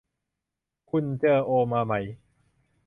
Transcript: คุณเจอโอมาไหม